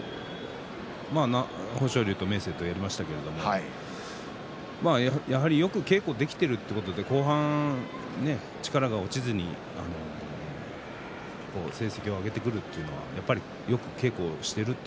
豊昇龍、明生などとやりましたけどよく稽古ができているということで後半、力が落ちずに成績を挙げてくるというのはよく稽古していると